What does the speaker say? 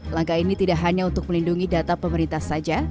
langkah ini tidak hanya untuk melindungi data pemerintah saja